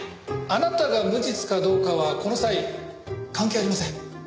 あなたが無実かどうかはこの際関係ありません。